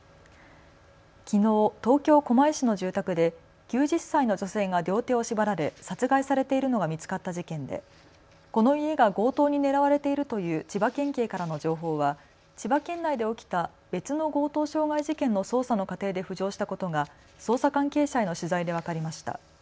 きのう、東京狛江市の住宅で９０歳の女性が両手を縛られ殺害されているのが見つかった事件でこの家が強盗に狙われているという千葉県警からの情報は千葉県内で起きた別の強盗傷害事件の捜査の過程で浮上したことが捜査関係者への取材で分かりました。